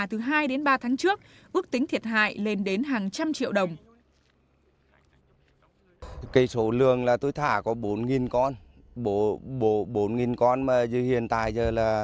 từ hai đến ba tháng trước ước tính thiệt hại lên đến hàng trăm triệu đồng